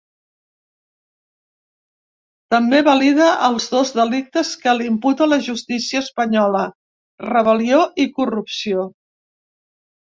També valida els dos delictes que li imputa la justícia espanyola: rebel·lió i corrupció.